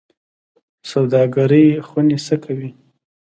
سوداګرۍ خونې څه کوي؟